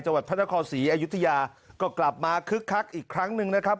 พระนครศรีอยุธยาก็กลับมาคึกคักอีกครั้งหนึ่งนะครับ